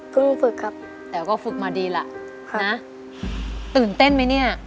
ก็ฝึกครับแต่ก็ฝึกมาดีล่ะนะตื่นเต้นไหมเนี่ย